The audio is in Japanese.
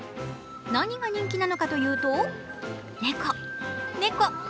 何が人気なのかというと猫、猫。